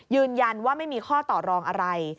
ยืนยันว่าไม่มีข้อต่อรองอะไร